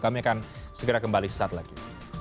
kami akan segera kembali sesaat lagi